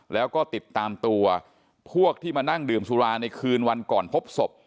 แล้วก็ติดตามตัวพวกที่มานั่งดื่มสุราในคืนวันก่อนพบศพ